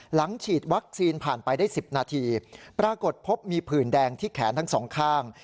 หลังฉีดวัคซีนผ่านไปได้๑๐นาทีปรากฏพบมีผื่นแดงที่แขนทั้งสองข้าง